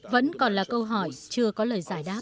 vẫn còn là câu hỏi chưa có lời giải đáp